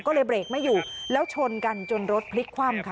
ก็เลยเบรกไม่อยู่แล้วชนกันจนรถพลิกคว่ำค่ะ